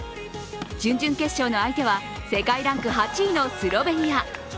準々決勝の相手は世界ランク８位のスロベニア。